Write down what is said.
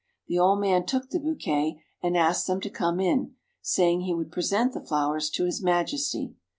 The old man took the bouquet and asked them to come in, saying he would present the flowers to His Majesty.